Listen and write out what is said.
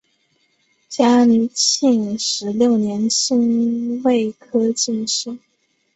嘉庆十六年辛未科进士。